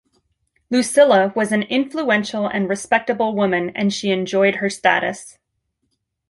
Lucilla was an influential and respectable woman and she enjoyed her status.